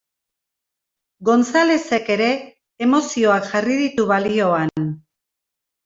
Gonzalezek ere emozioak jarri ditu balioan.